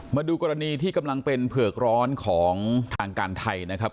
มาดูกรณีที่กำลังเป็นเผือกร้อนของทางการไทยนะครับ